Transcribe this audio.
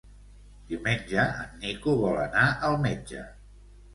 Diumenge en Nico vol anar al metge.